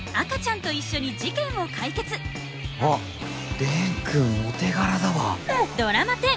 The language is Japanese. あっ蓮くんお手柄だわ。